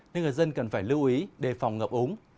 nên người dân cần phải lưu ý đề phòng ngập úng